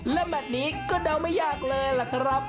และแมทนี้ก็เดาไม่ยากเลยล่ะครับ